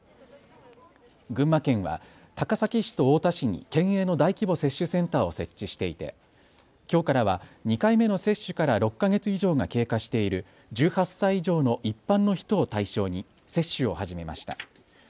群馬県は高崎市と太田市に県営の大規模接種センターを設置していてきょうからは２回目の接種から６か月以上が経過している１８歳以上の一般の人を対象に接種を始めました。